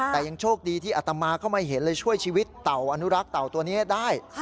แต่ยังโชคดีที่อัตมาเข้ามาเห็นเลยช่วยชีวิตเต่าอนุรักษ์เต่าตัวนี้ได้